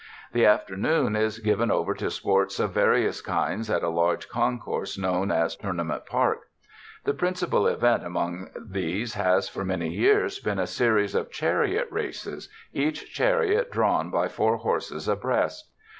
The afternoon is given over to sports of various kinds at a large concourse known as Tournament Park. The principal event among these has, for many years, been a series of chariot races, each chariot drawn by four horses abreast.